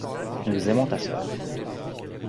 Nous aimons ta sœur.